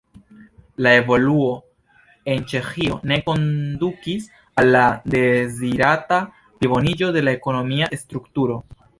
La evoluo en Ĉeĥio ne kondukis al la dezirata pliboniĝo de la ekonomia strukturo.